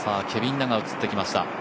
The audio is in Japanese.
ケビン・ナが映ってきました。